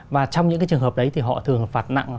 và trong những cái trường hợp đấy thì họ thường phạt nặng